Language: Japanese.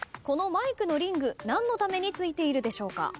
このマイクのリング何のためについているでしょうか？